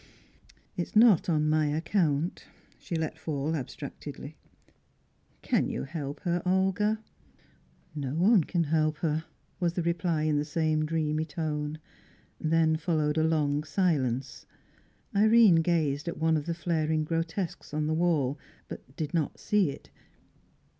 "It is not on my account," she let fall, abstractedly. "Can you help her, Olga?" "No one can help her," was the reply in the same dreamy tone. Then followed a long silence. Irene gazed at one of the flaring grotesques on the wall, but did not see it.